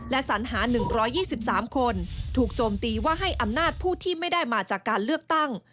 และสัญหา๑๒๓คนถูกโจมตีว่าให้อำนาจผู้ที่ไม่ได้มาจากการเลือกตั้ง